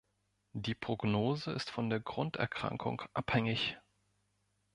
Die Prognose ist von der Grunderkrankung abhängig.